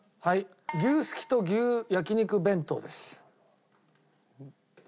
牛すきと牛焼肉弁当です。